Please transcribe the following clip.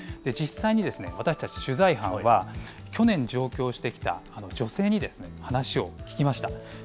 実際に私たち取材班は、去年、上京してきた女性に話を聞きました。